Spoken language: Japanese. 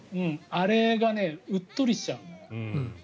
あれがうっとりしちゃう。